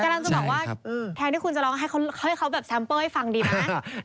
กำลังจะบอกว่าแทนที่คุณจะร้องให้เขาแบบแซมเปอร์ให้ฟังดีไหม